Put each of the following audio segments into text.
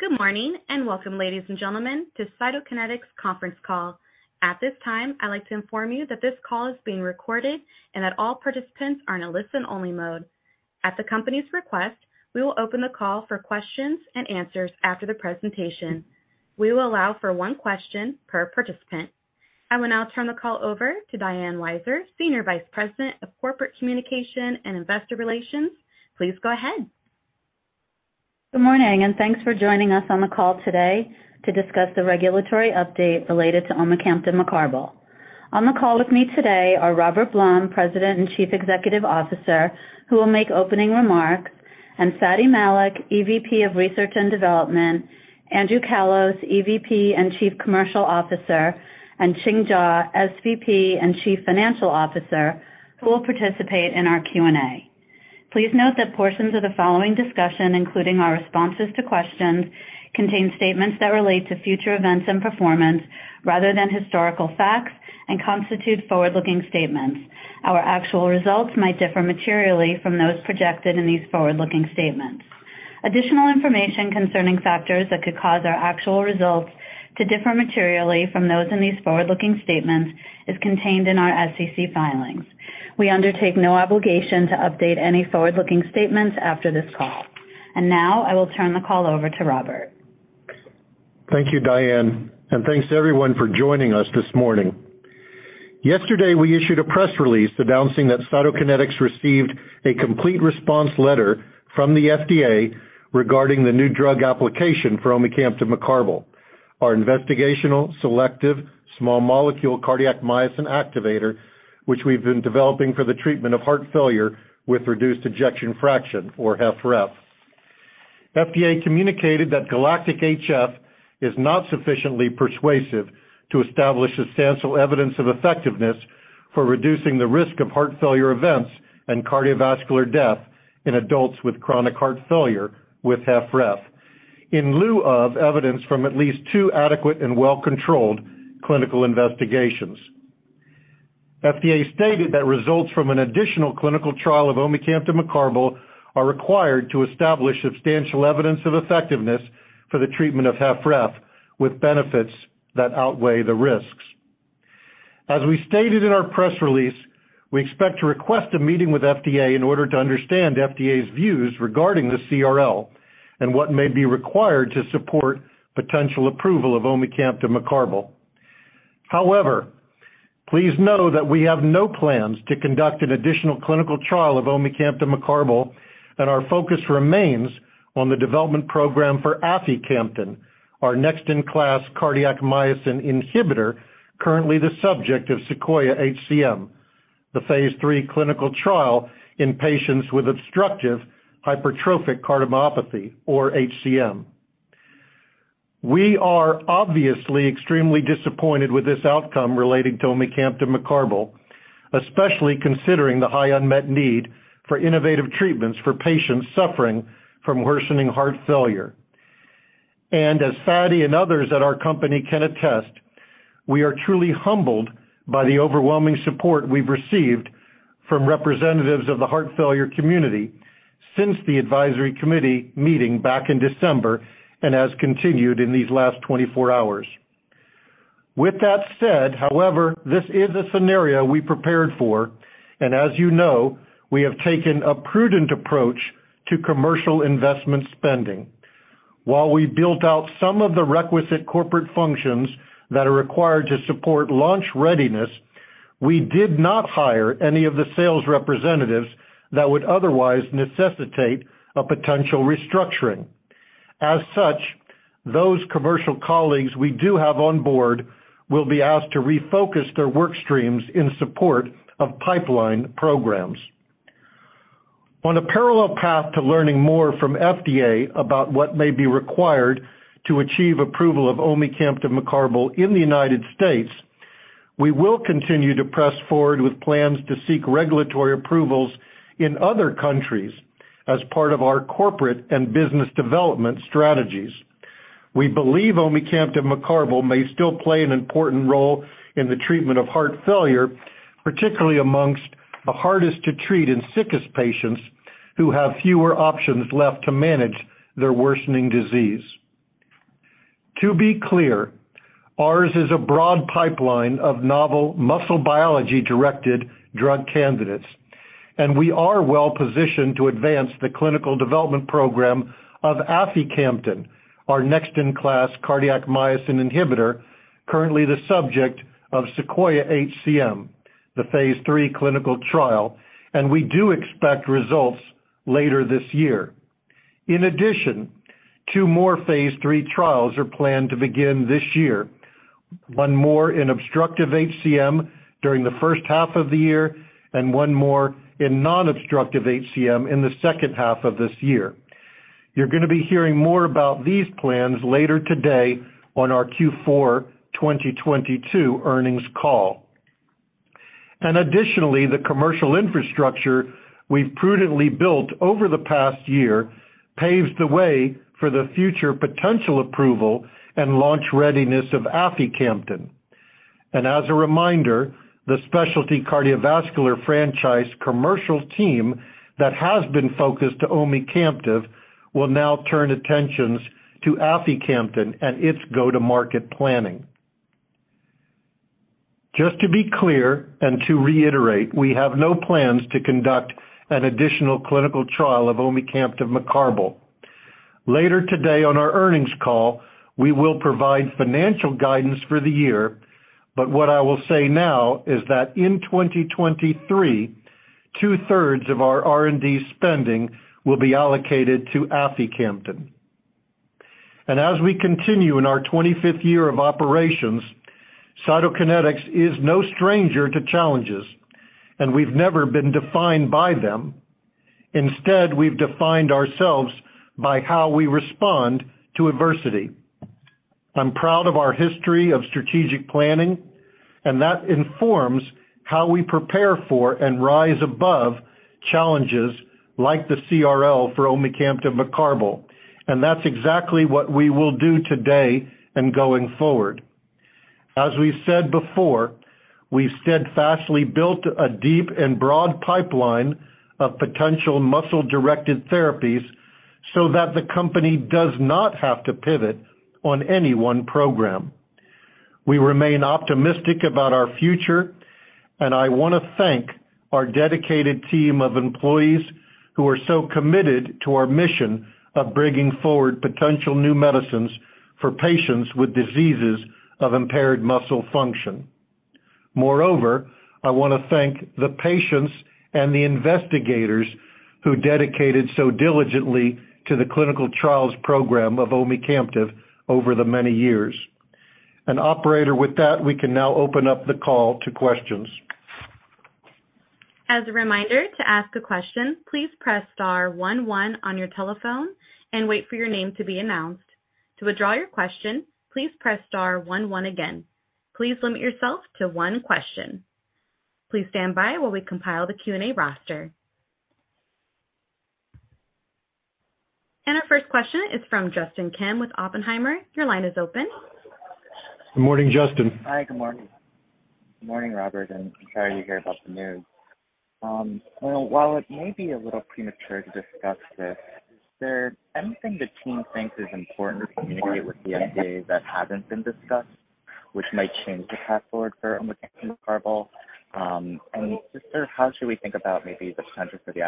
Good morning, and welcome, ladies and gentlemen, to Cytokinetics conference call. At this time, I'd like to inform you that this call is being recorded and that all participants are in a listen-only mode. At the company's request, we will open the call for questions and answers after the presentation. We will allow for one question per participant. I will now turn the call over to Diane Weiser, Senior Vice President of Corporate Communication and Investor Relations. Please go ahead. Good morning. Thanks for joining us on the call today to discuss the regulatory update related to omecamtiv mecarbil. On the call with me today are Robert Blum, President and Chief Executive Officer, who will make opening remarks, and Fady Malik, EVP of Research and Development, Andrew Callos, EVP and Chief Commercial Officer, and Ching Jaw, SVP and Chief Financial Officer, who will participate in our Q&A. Please note that portions of the following discussion, including our responses to questions, contain statements that relate to future events and performance rather than historical facts and constitute forward-looking statements. Our actual results might differ materially from those projected in these forward-looking statements. Additional information concerning factors that could cause our actual results to differ materially from those in these forward-looking statements is contained in our SEC filings. We undertake no obligation to update any forward-looking statements after this call. Now, I will turn the call over to Robert. Thank you, Diane. Thanks to everyone for joining us this morning. Yesterday, we issued a press release announcing that Cytokinetics received a complete response letter from the FDA regarding the new drug application for omecamtiv mecarbil, our investigational selective small molecule cardiac myosin activator, which we've been developing for the treatment of heart failure with reduced ejection fraction, or HFrEF. FDA communicated that GALACTIC-HF is not sufficiently persuasive to establish substantial evidence of effectiveness for reducing the risk of heart failure events and cardiovascular death in adults with chronic heart failure with HFrEF in lieu of evidence from at least 2 adequate and well-controlled clinical investigations. FDA stated that results from an additional clinical trial of omecamtiv mecarbil are required to establish substantial evidence of effectiveness for the treatment of HFrEF with benefits that outweigh the risks. As we stated in our press release, we expect to request a meeting with FDA in order to understand FDA's views regarding the CRL and what may be required to support potential approval of omecamtiv mecarbil. However, please know that we have no plans to conduct an additional clinical trial of omecamtiv mecarbil, and our focus remains on the development program for aficamten, our next-in-class cardiac myosin inhibitor, currently the subject of SEQUOIA-HCM, the Phase 3 clinical trial in patients with obstructive hypertrophic cardiomyopathy, or HCM. We are obviously extremely disappointed with this outcome relating to omecamtiv mecarbil, especially considering the high unmet need for innovative treatments for patients suffering from worsening heart failure. As Fady and others at our company can attest, we are truly humbled by the overwhelming support we've received from representatives of the heart failure community since the advisory committee meeting back in December and has continued in these last 24 hours. With that said, however, this is a scenario we prepared for. As you know, we have taken a prudent approach to commercial investment spending. While we built out some of the requisite corporate functions that are required to support launch readiness, we did not hire any of the sales representatives that would otherwise necessitate a potential restructuring. As such, those commercial colleagues we do have on board will be asked to refocus their work streams in support of pipeline programs. On a parallel path to learning more from FDA about what may be required to achieve approval of omecamtiv mecarbil in the United States, we will continue to press forward with plans to seek regulatory approvals in other countries as part of our corporate and business development strategies. We believe omecamtiv mecarbil may still play an important role in the treatment of heart failure, particularly amongst the hardest to treat and sickest patients who have fewer options left to manage their worsening disease. To be clear, ours is a broad pipeline of novel muscle biology-directed drug candidates, and we are well-positioned to advance the clinical development program of aficamten, our next-in-class cardiac myosin inhibitor, currently the subject of SEQUOIA-HCM, the Phase 3 clinical trial. We do expect results later this year. In addition, 2 more phase 3 trials are planned to begin this year, one more in obstructive HCM during the first half of the year and one more in non-obstructive HCM in the second half of this year. You're gonna be hearing more about these plans later today on our Q4 2022 earnings call. Additionally, the commercial infrastructure we've prudently built over the past year paves the way for the future potential approval and launch readiness of aficamten. As a reminder, the specialty cardiovascular franchise commercial team that has been focused to omecamtiv will now turn attentions to aficamten and its go-to-market planning. Just to be clear and to reiterate, we have no plans to conduct an additional clinical trial of omecamtiv mecarbil. Later today on our earnings call, we will provide financial guidance for the year. What I will say now is that in 2023, 2/3 of our R&D spending will be allocated to aficamten. As we continue in our 25th year of operations, Cytokinetics is no stranger to challenges, and we've never been defined by them. Instead, we've defined ourselves by how we respond to adversity. I'm proud of our history of strategic planning, and that informs how we prepare for and rise above challenges like the CRL for omecamtiv mecarbil, and that's exactly what we will do today and going forward. As we said before, we've steadfastly built a deep and broad pipeline of potential muscle-directed therapies so that the company does not have to pivot on any one program. We remain optimistic about our future, and I wanna thank our dedicated team of employees who are so committed to our mission of bringing forward potential new medicines for patients with diseases of impaired muscle function. Moreover, I wanna thank the patients and the investigators who dedicated so diligently to the clinical trials program of omecamtiv over the many years. Operator, with that, we can now open up the call to questions. As a reminder, to ask a question, please press star one one on your telephone and wait for your name to be announced. To withdraw your question, please press star one one again. Please limit yourself to one question. Please stand by while we compile the Q&A roster. Our first question is from Justin Kim with Oppenheimer. Your line is open. Good morning, Justin. Hi, good morning. Good morning, Robert. I'm sorry to hear about the news. While it may be a little premature to discuss this, is there anything the team thinks is important to communicate with the FDA that hasn't been discussed, which might change the path forward for omecamtiv mecarbil? Just how should we think about maybe the chances for the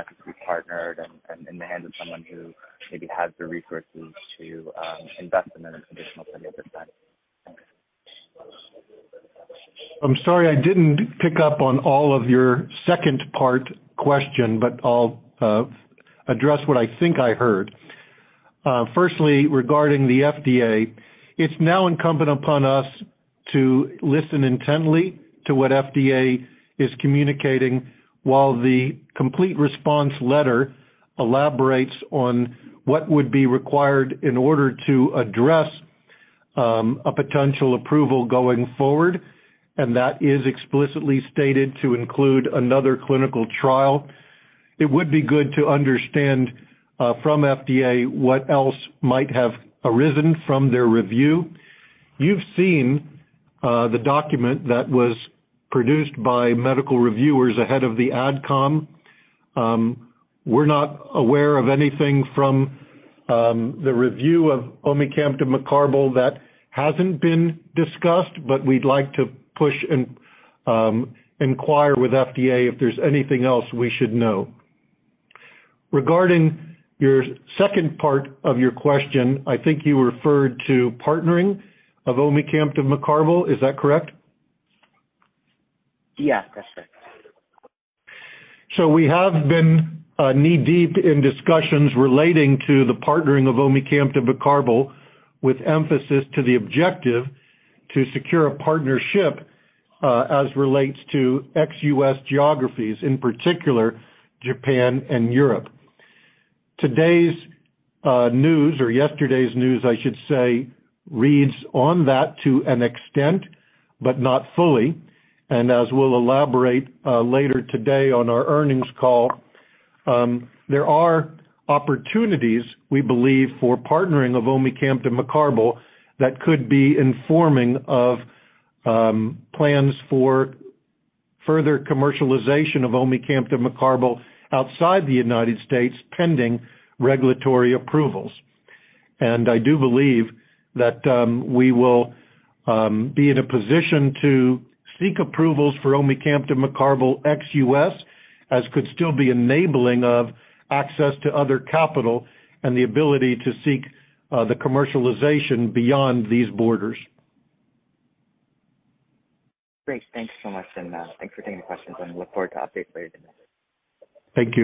Thank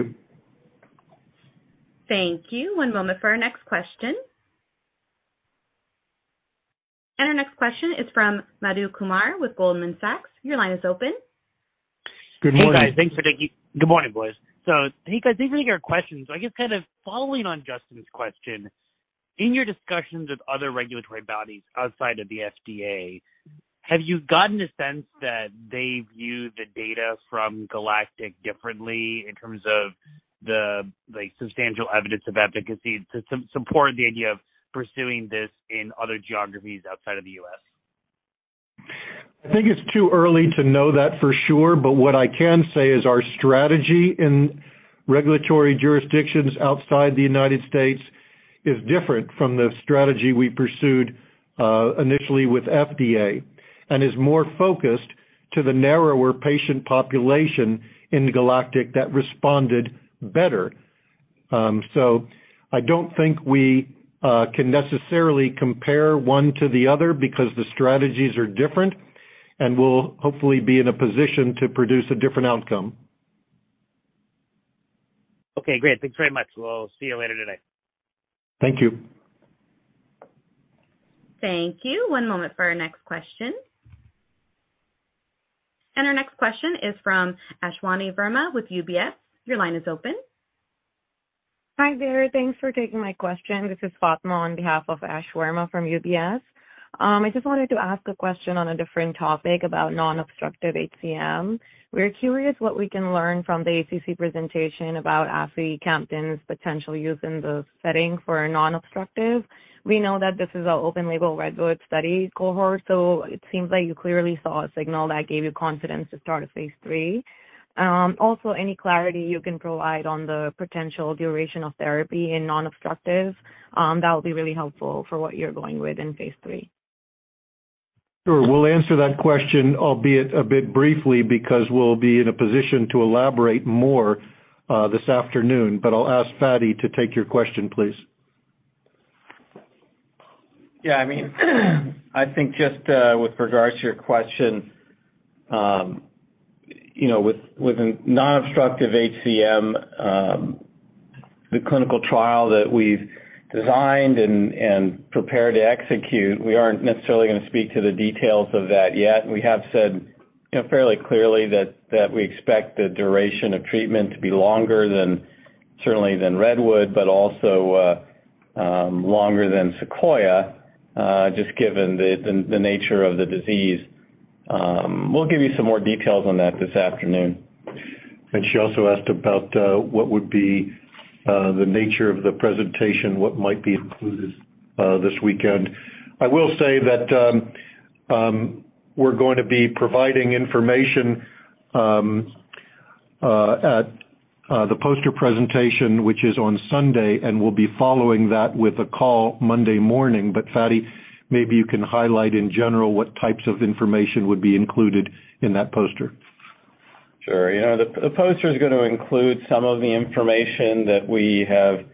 you. One moment for our next question. Our next question is from Madhu Kumar with Goldman Sachs. Your line is open. Good morning. Hey, guys. Thanks for taking good morning, boys. I think these are your questions. I guess kind of following on Justin's question. In your discussions with other regulatory bodies outside of the FDA, have you gotten a sense that they view the data from GALACTIC-HF differently in terms of the substantial evidence of efficacy to support the idea of pursuing this in other geographies outside of the US? I think it's too early to know that for sure, but what I can say is our strategy in regulatory jurisdictions outside the United States is different from the strategy we pursued initially with FDA and is more focused to the narrower patient population in GALACTIC-HF that responded better. I don't think we can necessarily compare one to the other because the strategies are different, and we'll hopefully be in a position to produce a different outcome. Okay, great. Thanks very much. We'll see you later today. Thank you. Thank you. One moment for our next question. Our next question is from Ashwani Verma with UBS. Your line is open. Hi there. Thanks for taking my question. This is Fatima on behalf of Ash Verma from UBS. I just wanted to ask a question on a different topic about non-obstructive HCM. We're curious what we can learn from the ACC presentation about aficamten's potential use in the setting for a non-obstructive. We know that this is an open label REDWOOD-HCM study cohort, it seems like you clearly saw a signal that gave you confidence to start a phase 3. Also any clarity you can provide on the potential duration of therapy in non-obstructive, that would be really helpful for what you're going with in phase 3. Sure. We'll answer that question, albeit a bit briefly because we'll be in a position to elaborate more, this afternoon, but I'll ask Fady to take your question, please. Yeah, I mean, I think just, with regards to your question, you know, with a non-obstructive HCM, the clinical trial that we've designed and prepared to execute, we aren't necessarily going to speak to the details of that yet. We have said, you know, fairly clearly that we expect the duration of treatment to be longer than certainly than REDWOOD-HCM, but also, longer than SEQUOIA-HCM, just given the nature of the disease. We'll give you some more details on that this afternoon. She also asked about what would be the nature of the presentation, what might be included this weekend. I will say that we're going to be providing information at the poster presentation, which is on Sunday, and we'll be following that with a call Monday morning. Fady, maybe you can highlight in general what types of information would be included in that poster. Sure. Yeah, the poster is gonna include some of the information that we have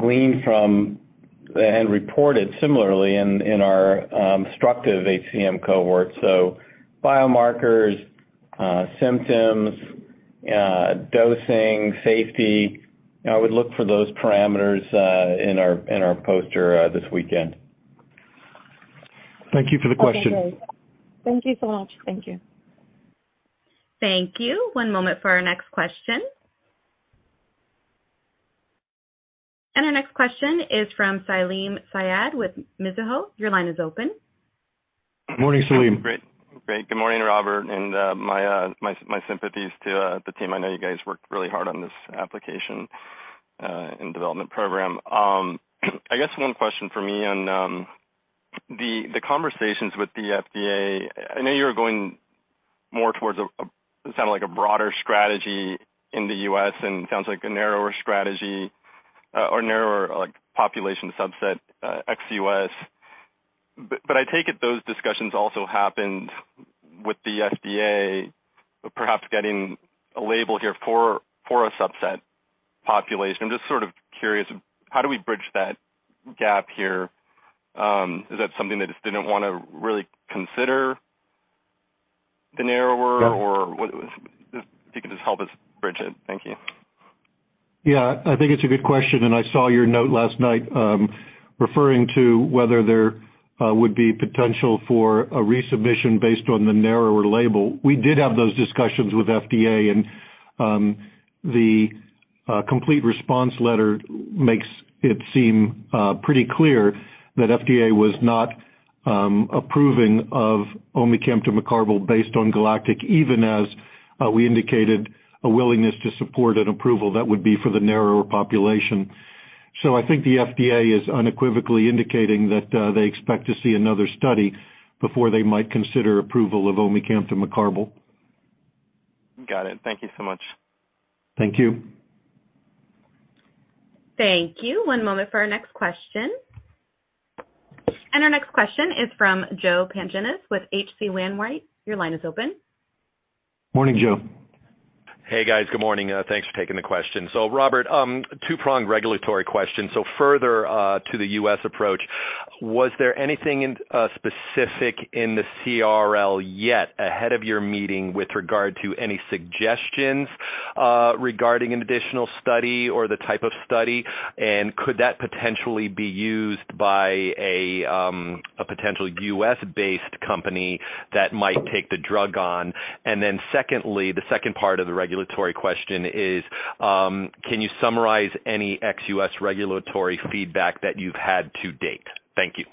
gleaned from and reported similarly in our obstructive HCM cohort. Biomarkers, symptoms, dosing, safety. I would look for those parameters in our poster this weekend. Thank you for the question. Okay, great. Thank you so much. Thank you. Thank you. One moment for our next question. Our next question is from Salim Syed with Mizuho. Your line is open. Morning, Salim. Great. Good morning, Robert. My sympathies to the team. I know you guys worked really hard on this application and development program. I guess one question from me on the conversations with the FDA. I know you're going more towards a sound like a broader strategy in the U.S. and sounds like a narrower strategy or narrower like population subset ex-U.S. I take it those discussions also happened with the FDA, perhaps getting a label here for a subset population. I'm just sort of curious, how do we bridge that gap here? Is that something they just didn't want to really consider? Yeah. If you could just help us bridge it. Thank you. Yeah. I think it's a good question. I saw your note last night referring to whether there would be potential for a resubmission based on the narrower label. We did have those discussions with FDA. The complete response letter makes it seem pretty clear that FDA was not approving of omecamtiv mecarbil based on GALACTIC-HF, even as we indicated a willingness to support an approval that would be for the narrower population. I think the FDA is unequivocally indicating that they expect to see another study before they might consider approval of omecamtiv mecarbil. Got it. Thank you so much. Thank you. Thank you. One moment for our next question. Our next question is from Joe Pantginis with H.C. Wainwright. Your line is open. Morning, Joe. Hey, guys. Good morning. thanks for taking the question. Robert, two-pronged regulatory question. further, to the U.S. approach, was there anything in, specific in the CRL yet ahead of your meeting with regard to any suggestions, regarding an additional study or the type of study? could that potentially be used by a potential U.S.-based company that might take the drug on? secondly, the second part of the regulatory question is, can you summarize any ex-U.S. regulatory feedback that you've had to date? Thank you.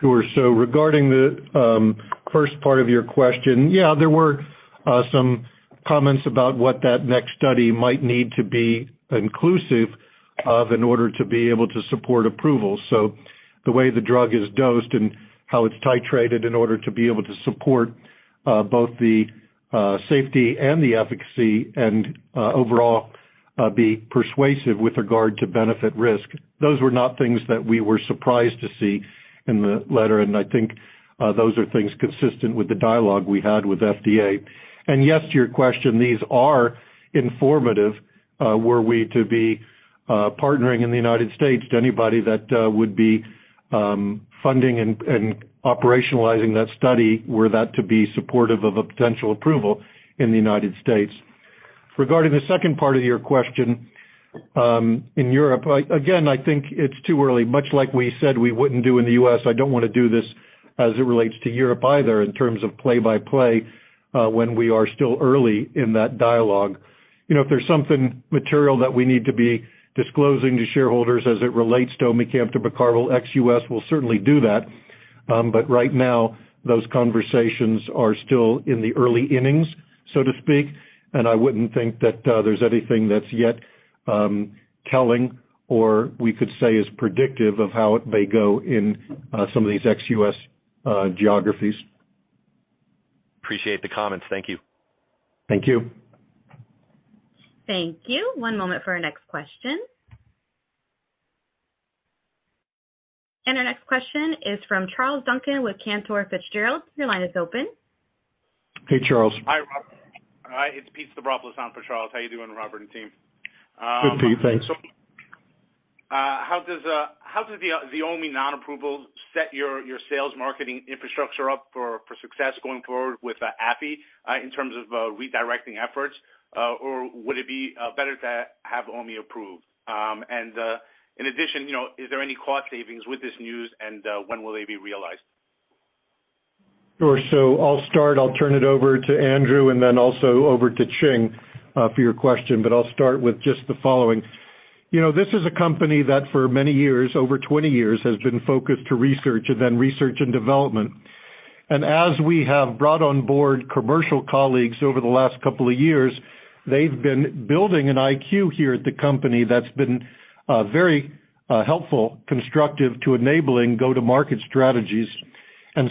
Sure. Regarding the first part of your question, yeah, there were some comments about what that next study might need to be inclusive of in order to be able to support approval. The way the drug is dosed and how it's titrated in order to be able to support both the safety and the efficacy and overall be persuasive with regard to benefit risk, those were not things that we were surprised to see in the letter, and I think those are things consistent with the dialogue we had with FDA. Yes to your question, these are informative, were we to be partnering in the United States to anybody that would be funding and operationalizing that study were that to be supportive of a potential approval in the United States. Regarding the second part of your question, in Europe, again, I think it's too early. Much like we said we wouldn't do in the U.S., I don't wanna do this as it relates to Europe either in terms of play-by-play, when we are still early in that dialogue. You know, if there's something material that we need to be disclosing to shareholders as it relates to omecamtiv mecarbil ex-U.S., we'll certainly do that. Right now, those conversations are still in the early innings, so to speak, and I wouldn't think that there's anything that's yet telling or we could say is predictive of how they go in some of these ex-U.S. geographies. Appreciate the comments. Thank you. Thank you. Thank you. One moment for our next question. Our next question is from Charles Duncan with Cantor Fitzgerald. Your line is open. Hey, Charles. Hi, Rob. Hi, it's Pete Zobropoulos on for Charles. How you doing, Robert and team? Good, Pete. Thanks. How does the OMI non-approval set your sales marketing infrastructure up for success going forward with afi in terms of redirecting efforts? Or would it be better to have OMI approved? In addition, you know, is there any cost savings with this news, when will they be realized? Sure. I'll start, I'll turn it over to Andrew and then also over to Ching, for your question, but I'll start with just the following. You know, this is a company that for many years, over 20 years, has been focused to research and then research and development. As we have brought on board commercial colleagues over the last couple of years, they've been building an IQ here at the company that's been very helpful, constructive to enabling go-to-market strategies.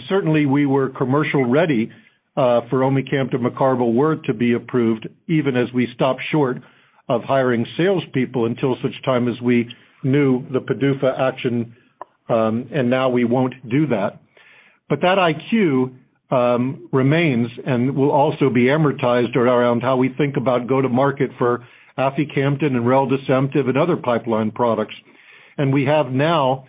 Certainly, we were commercial ready for omecamtiv mecarbil were to be approved, even as we stopped short of hiring salespeople until such time as we knew the PDUFA action, and now we won't do that. That IQ remains and will also be amortized around how we think about go-to-market for aficamten and reldesemtiv and other pipeline products. We have now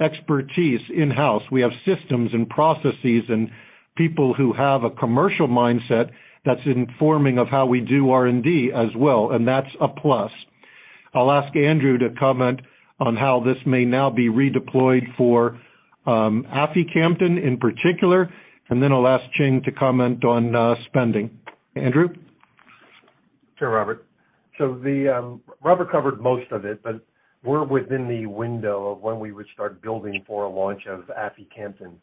expertise in-house. We have systems and processes and people who have a commercial mindset that's informing of how we do R&D as well, and that's a plus. I'll ask Andrew to comment on how this may now be redeployed for aficamten in particular, and then I'll ask Ching to comment on spending. Andrew? Sure, Robert. Robert covered most of it, but we're within the window of when we would start building for a launch of aficamten.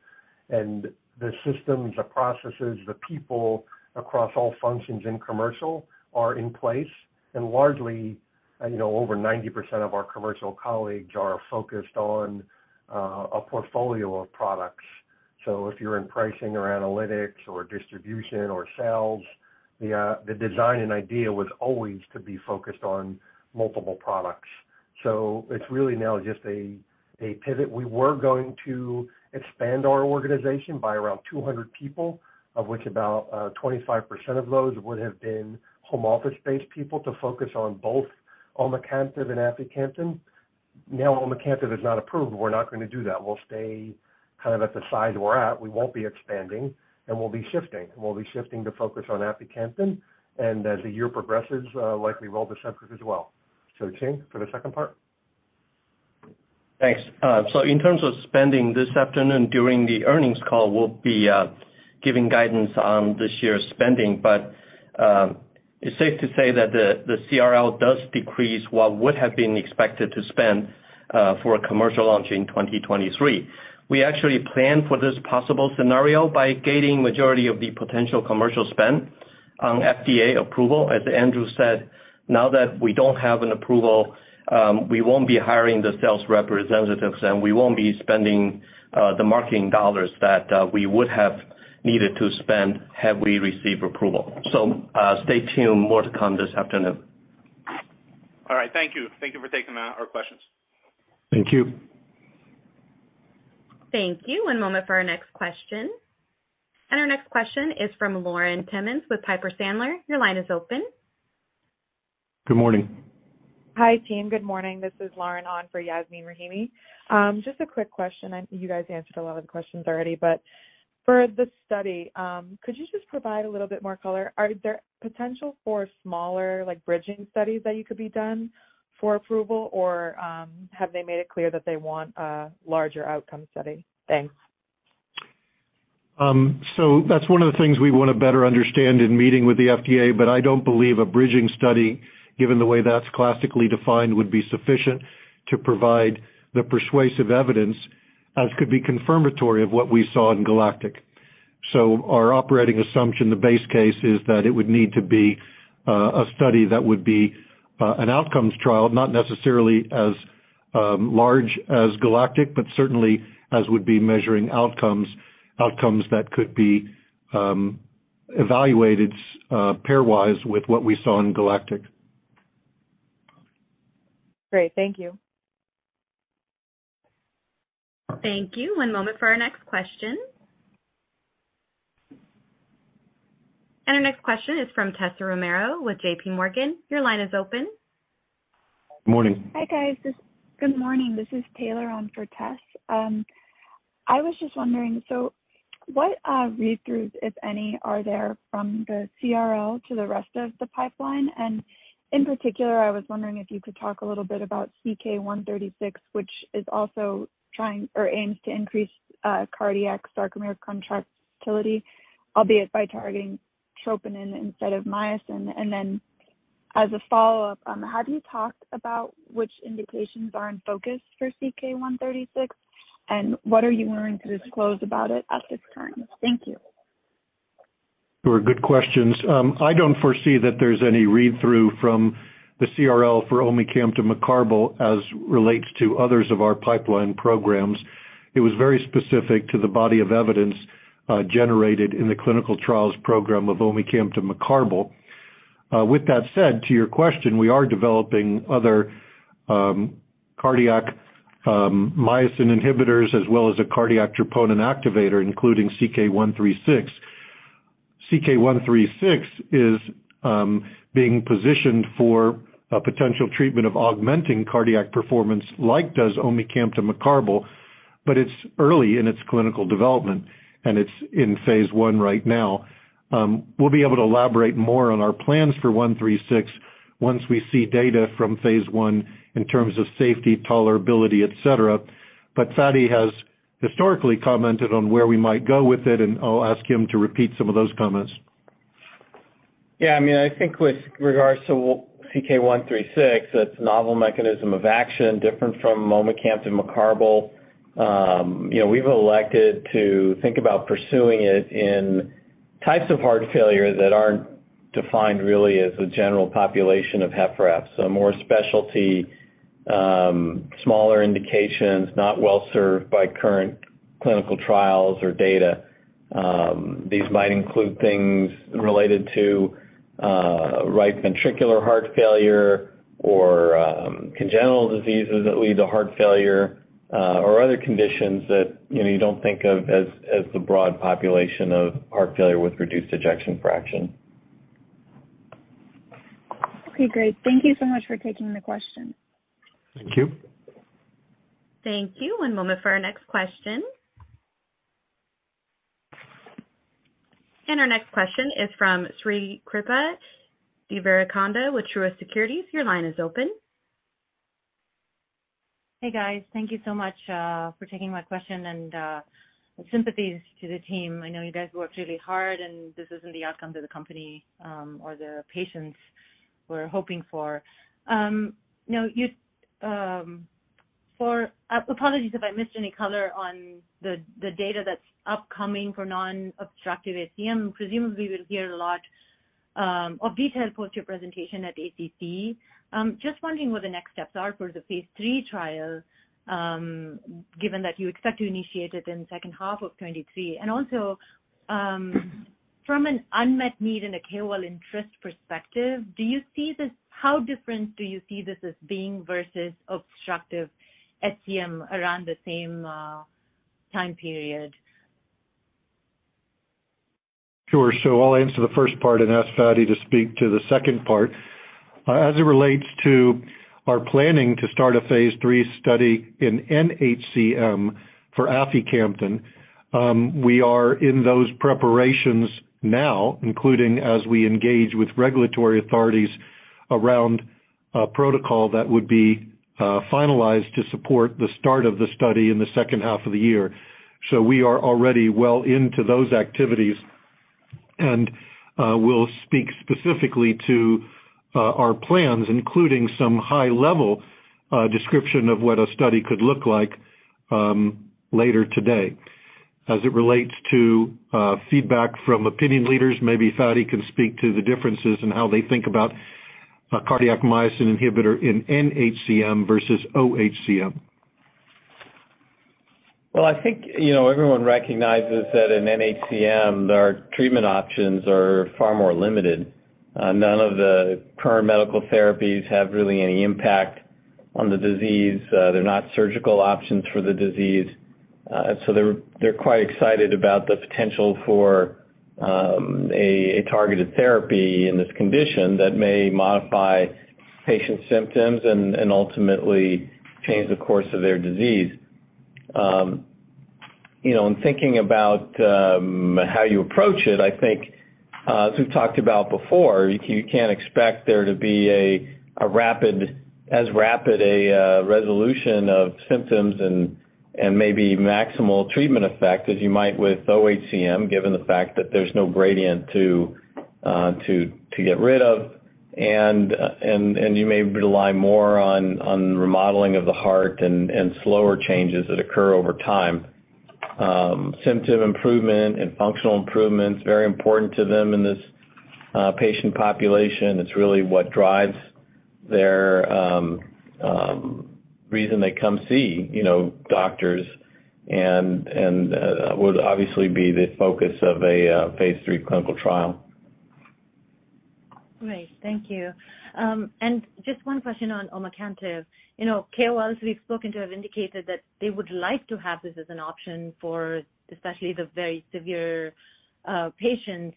The systems, the processes, the people across all functions in commercial are in place. Largely, you know, over 90% of our commercial colleagues are focused on a portfolio of products. If you're in pricing or analytics or distribution or sales, the design and idea was always to be focused on multiple products. It's really now just a pivot. We were going to expand our organization by around 200 people, of which about 25% of those would have been home office-based people to focus on both omecamtiv and aficamten. Omecamtiv is not approved, we're not gonna do that. We'll stay kind of at the size we're at. We won't be expanding, and we'll be shifting to focus on aficamten, and as the year progresses, likely reldesemtiv as well. Ching, for the second part. Thanks. In terms of spending this afternoon during the earnings call, we'll be giving guidance on this year's spending. It's safe to say that the CRL does decrease what would have been expected to spend for a commercial launch in 2023. We actually planned for this possible scenario by gating majority of the potential commercial spend on FDA approval. As Andrew said, now that we don't have an approval, we won't be hiring the sales representatives, and we won't be spending the marketing dollars that we would have needed to spend had we received approval. Stay tuned. More to come this afternoon. All right. Thank you. Thank you for taking our questions. Thank you. Thank you. One moment for our next question. Our next question is from Lauren Timmins with Piper Sandler. Your line is open. Good morning. Hi, team. Good morning. This is Lauren on for Yasmeen Rahimi. Just a quick question. I think you guys answered a lot of the questions already. For the study, could you just provide a little bit more color? Are there potential for smaller like bridging studies that you could be done for approval? Have they made it clear that they want a larger outcome study? Thanks. That's one of the things we wanna better understand in meeting with the FDA. I don't believe a bridging study, given the way that's classically defined, would be sufficient to provide the persuasive evidence as could be confirmatory of what we saw in GALACTIC-HF. Our operating assumption, the base case, is that it would need to be a study that would be an outcomes trial, not necessarily as large as GALACTIC-HF, but certainly as would be measuring outcomes that could be evaluated pairwise with what we saw in GALACTIC-HF. Great. Thank you. Thank you. One moment for our next question. Our next question is from Tessa Romero with J.P. Morgan. Your line is open. Morning. Hi, guys. Good morning. This is Taylor on for Tess. I was just wondering, so what read-throughs, if any, are there from the CRL to the rest of the pipeline? In particular, I was wondering if you could talk a little bit about CK-136, which is also trying or aims to increase cardiac sarcomere contractility, albeit by targeting troponin instead of myosin. As a follow-up, have you talked about which indications are in focus for CK-136, and what are you willing to disclose about it at this time? Thank you. Sure. Good questions. I don't foresee that there's any read-through from the CRL for omecamtiv mecarbil as relates to others of our pipeline programs. It was very specific to the body of evidence generated in the clinical trials program of omecamtiv mecarbil. With that said, to your question, we are developing other cardiac myosin inhibitors as well as a cardiac troponin activator, including CK-136. CK-136 is being positioned for a potential treatment of augmenting cardiac performance like does omecamtiv mecarbil, but it's early in its clinical development, and it's in Phase 1 right now. We'll be able to elaborate more on our plans for 136 once we see data from Phase 1 in terms of safety, tolerability, et cetera. Fady has historically commented on where we might go with it, and I'll ask him to repeat some of those comments. Yeah. I mean, I think with regards to CK-136, its novel mechanism of action, different from omecamtiv mecarbil, you know, we've elected to think about pursuing it in types of heart failure that aren't defined really as the general population of HFrEFs. More specialty, smaller indications not well served by current clinical trials or data. These might include things related to right ventricular heart failure or congenital diseases that lead to heart failure or other conditions that, you know, you don't think of as the broad population of heart failure with reduced ejection fraction. Okay. Great. Thank you so much for taking the question. Thank you. Thank you. One moment for our next question. Our next question is from Srikripa Devarakonda with Truist Securities. Your line is open. Hey, guys. Thank you so much for taking my question, and my sympathies to the team. I know you guys worked really hard, and this isn't the outcome that the company or the patients were hoping for. Apologies if I missed any color on the data that's upcoming for non-obstructive HCM. Presumably, we'll hear a lot of detail post your presentation at ACC. Just wondering what the next steps are for the Phase 3 trial, given that you expect to initiate it in second half of 2023. Also, from an unmet need and a KOL interest perspective, how different do you see this as being versus obstructive HCM around the same time period? Sure. I'll answer the first part and ask Fady to speak to the second part. As it relates to our planning to start a Phase 3 study in NHCM for aficamten, we are in those preparations now, including as we engage with regulatory authorities around a protocol that would be finalized to support the start of the study in the second half of the year. We are already well into those activities, and we'll speak specifically to our plans, including some high level description of what a study could look like later today. As it relates to feedback from opinion leaders, maybe Fady can speak to the differences in how they think about a cardiac myosin inhibitor in NHCM versus OHCM. Well, I think, you know, everyone recognizes that in NHCM, our treatment options are far more limited. None of the current medical therapies have really any impact on the disease. They're not surgical options for the disease. They're quite excited about the potential for a targeted therapy in this condition that may modify patient symptoms and ultimately change the course of their disease. You know, in thinking about how you approach it, I think, as we've talked about before, you can't expect there to be as rapid a resolution of symptoms and maybe maximal treatment effect as you might with OHCM, given the fact that there's no gradient to get rid of. You may rely more on remodeling of the heart and slower changes that occur over time. Symptom improvement and functional improvements, very important to them in this patient population. It's really what drives their reason they come see, you know, doctors and would obviously be the focus of a Phase 3 clinical trial. Great. Thank you. Just 1 question on omecamtiv. You know, KOLs we've spoken to have indicated that they would like to have this as an option for especially the very severe patients.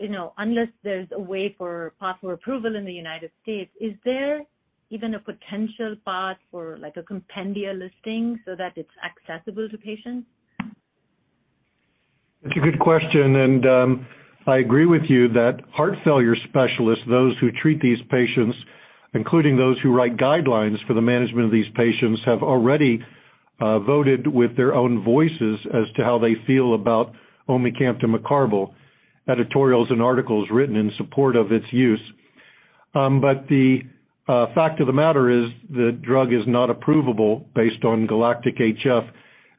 You know, unless there's a way for possible approval in the United States, is there even a potential path for like a compendia listing so that it's accessible to patients? That's a good question, I agree with you that heart failure specialists, those who treat these patients, including those who write guidelines for the management of these patients, have already voted with their own voices as to how they feel about omecamtiv mecarbil, editorials and articles written in support of its use. The fact of the matter is the drug is not approvable based on GALACTIC-HF,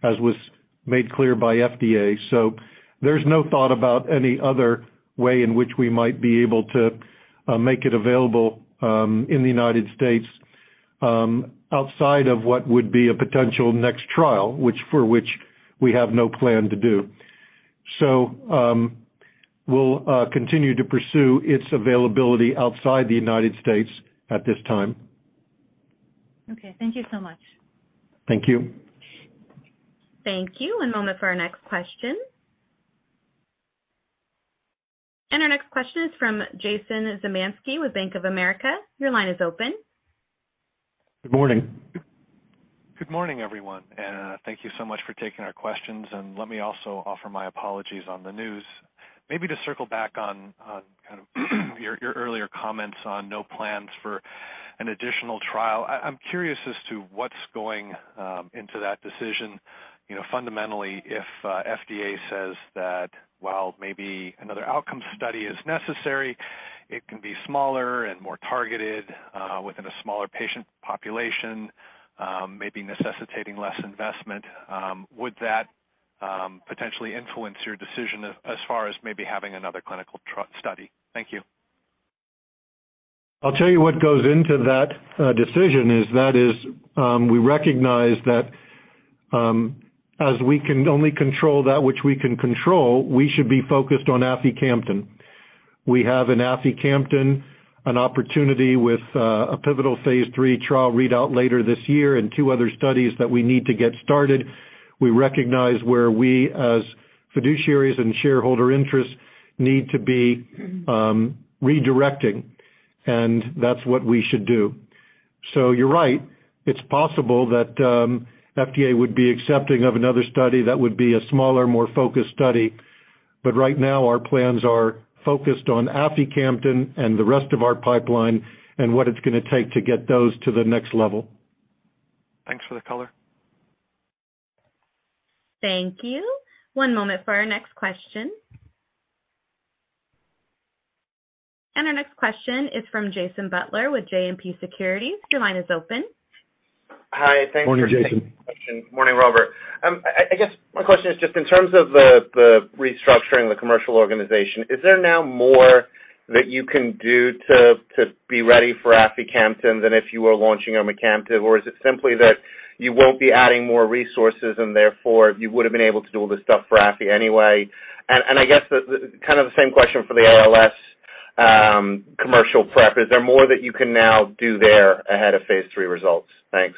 as was made clear by FDA. There's no thought about any other way in which we might be able to make it available in the United States, outside of what would be a potential next trial, which for which we have no plan to do. We'll continue to pursue its availability outside the United States at this time. Okay. Thank you so much. Thank you. Thank you. One moment for our next question. Our next question is from Jason Zemansky with Bank of America. Your line is open. Good morning. Good morning, everyone, and thank you so much for taking our questions. Let me also offer my apologies on the news. Maybe to circle back on kind of your earlier comments on no plans for an additional trial. I'm curious as to what's going into that decision. You know, fundamentally, if FDA says that while maybe another outcome study is necessary, it can be smaller and more targeted within a smaller patient population, maybe necessitating less investment, would that potentially influence your decision as far as maybe having another clinical study? Thank you. I'll tell you what goes into that decision is that is we recognize that as we can only control that which we can control, we should be focused on aficamten. We have in aficamten an opportunity with a pivotal Phase 3 trial readout later this year and two other studies that we need to get started. We recognize where we, as fiduciaries and shareholder interests, need to be redirecting, and that's what we should do. You're right. It's possible that FDA would be accepting of another study that would be a smaller, more focused study. Right now, our plans are focused on aficamten and the rest of our pipeline and what it's gonna take to get those to the next level. Thanks for the color. Thank you. One moment for our next question. Our next question is from Jason Butler with JMP Securities. Your line is open. Hi. Thank you. Morning, Jason. Morning, Robert. I guess my question is just in terms of the restructuring the commercial organization, is there now more that you can do to be ready for aficamten than if you were launching omecamtiv? Or is it simply that you won't be adding more resources and therefore you would've been able to do all this stuff for afi anyway? I guess the kind of the same question for ALS commercial prep, is there more that you can now do there ahead of Phase 3 results? Thanks.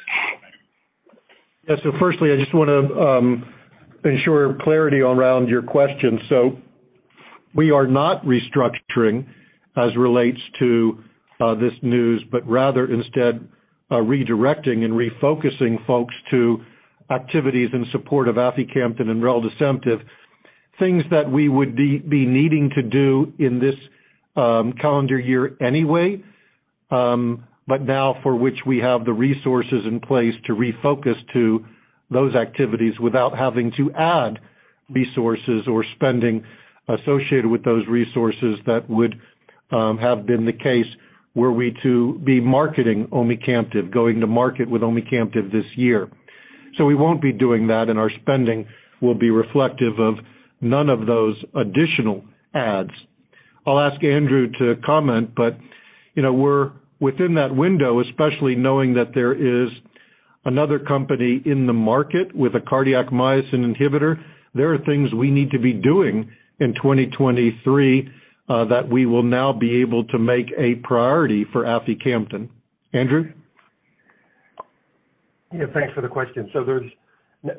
Yeah. Firstly, I just wanna ensure clarity around your question. We are not restructuring as relates to this news, but rather instead, redirecting and refocusing folks to activities in support of aficamten and reldesemtiv, things that we would be needing to do in this calendar year anyway, but now for which we have the resources in place to refocus to those activities without having to add resources or spending associated with those resources that would have been the case were we to be marketing omecamtiv, going to market with omecamtiv this year. We won't be doing that, and our spending will be reflective of none of those additional adds. I'll ask Andrew to comment, but, you know, we're within that window, especially knowing that there is another company in the market with a cardiac myosin inhibitor. There are things we need to be doing in 2023 that we will now be able to make a priority for aficamten. Andrew? Thanks for the question.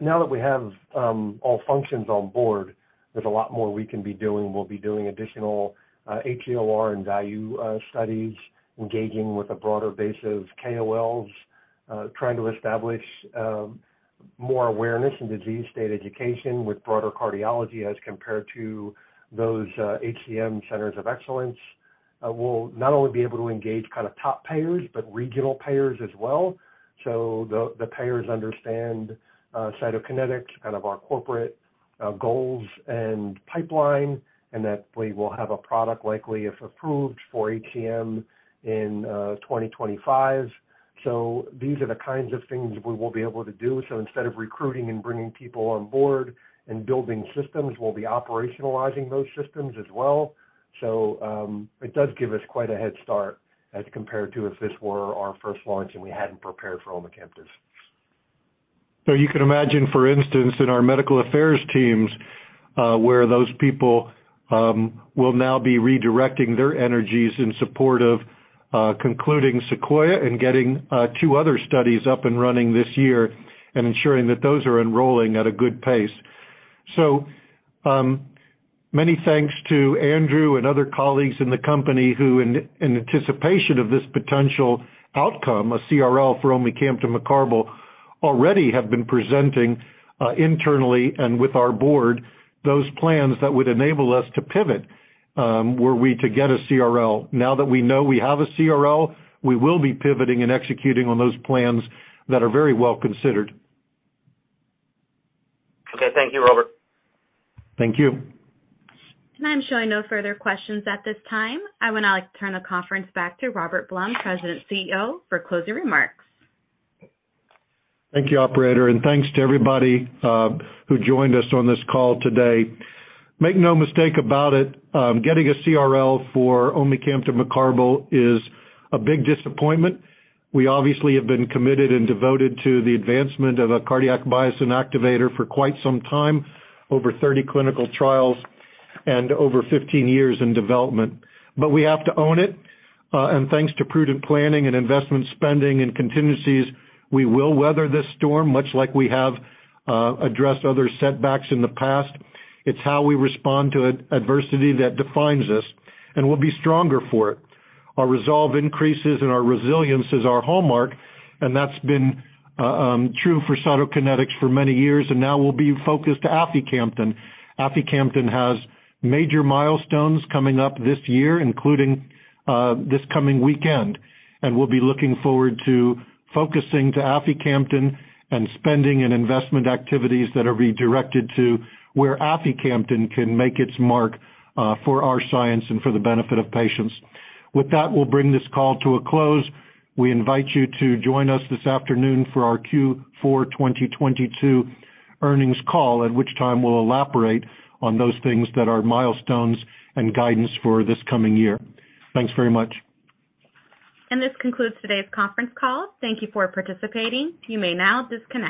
Now that we have all functions on board, there's a lot more we can be doing. We'll be doing additional HEOR and value studies, engaging with a broader base of KOLs, trying to establish more awareness and disease state education with broader cardiology as compared to those HCM centers of excellence, will not only be able to engage kind of top payers but regional payers as well. The payers understand Cytokinetics, kind of our corporate goals and pipeline, and that we will have a product likely if approved for HCM in 2025. These are the kinds of things we will be able to do. Instead of recruiting and bringing people on board and building systems, we'll be operationalizing those systems as well. It does give us quite a head start as compared to if this were our first launch and we hadn't prepared for omecamtiv. You can imagine, for instance, in our medical affairs teams, where those people will now be redirecting their energies in support of concluding SEQUOIA-HCM and getting two other studies up and running this year and ensuring that those are enrolling at a good pace. Many thanks to Andrew and other colleagues in the company who in anticipation of this potential outcome, a CRL for omecamtiv mecarbil, already have been presenting internally and with our board those plans that would enable us to pivot were we to get a CRL. Now that we know we have a CRL, we will be pivoting and executing on those plans that are very well considered. Okay. Thank you, Robert. Thank you. I'm showing no further questions at this time. I would now like to turn the conference back to Robert Blum, President CEO, for closing remarks. Thank you, operator, thanks to everybody who joined us on this call today. Make no mistake about it, getting a CRL for omecamtiv mecarbil is a big disappointment. We obviously have been committed and devoted to the advancement of a cardiac myosin activator for quite some time, over 30 clinical trials and over 15 years in development. We have to own it. Thanks to prudent planning and investment spending and contingencies, we will weather this storm much like we have addressed other setbacks in the past. It's how we respond to adversity that defines us, and we'll be stronger for it. Our resolve increases and our resilience is our hallmark, and that's been true for Cytokinetics for many years, and now we'll be focused on aficamten. Aficamten has major milestones coming up this year, including this coming weekend. We'll be looking forward to focusing to aficamten and spending in investment activities that are redirected to where aficamten can make its mark for our science and for the benefit of patients. With that, we'll bring this call to a close. We invite you to join us this afternoon for our Q42022 earnings call, at which time we'll elaborate on those things that are milestones and guidance for this coming year. Thanks very much. This concludes today's conference call. Thank you for participating. You may now disconnect.